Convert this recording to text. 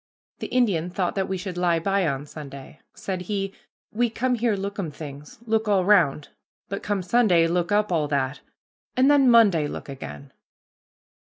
The Indian thought that we should lie by on Sunday. Said he, "We come here lookum things, look all round, but come Sunday look up all that, and then Monday look again."